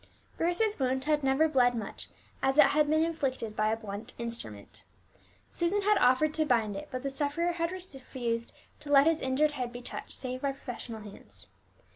Bruce's wound had never bled much, as it had been inflicted by a blunt instrument. Susan had offered to bind it, but the sufferer had refused to let his injured head be touched save by professional hands.